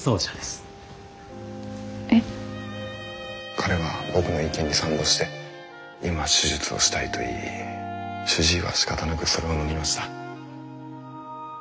彼は僕の意見に賛同して今手術をしたいと言い主治医はしかたなくそれをのみました。